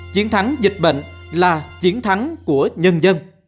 chiến thắng dịch bệnh là chiến thắng của nhân dân